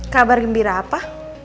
kabar gembira apa